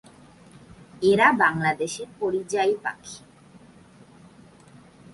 এরা বাংলাদেশের পরিযায়ী পাখি।